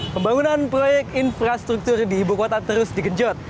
pembangunan proyek infrastruktur di ibu kota terus dikejut